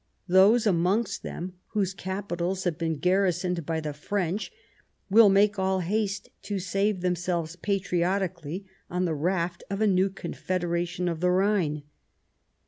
Those amongst them whose capitals have been garrisoned by the French will make all haste to save themselves patriotically on the raft of a new Confederation of the Rhine."